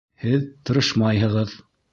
Һеҙ тырышмайһығыҙ